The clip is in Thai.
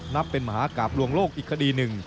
นับเป็นมหากราบลวงโลกอีกคดีหนึ่ง